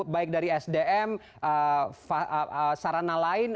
baik dari sdm sarana lain